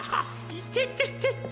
いてててて。